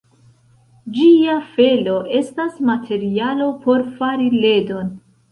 Ĝia felo estas materialo por fari ledon.